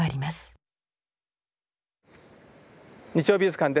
「日曜美術館」です。